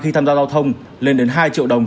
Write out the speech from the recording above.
khi tham gia giao thông lên đến hai triệu đồng